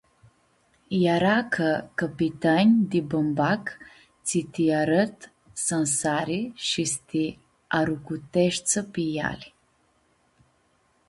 Eara ca cãpitãnji di bãmbac tsi ti-arãd s-ansari shi s-ti arucuteshtsã pi iali.